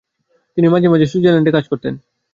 তিনি মাঝে মাঝে সুইজারল্যান্ডে কাজ করতেন।